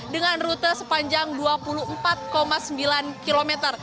dengan rute sepanjang dua puluh empat sembilan km